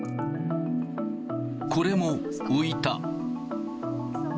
これも浮いた。